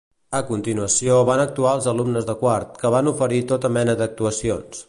A continuació van actuar els alumnes de quart, que van oferir tota mena d'actuacions.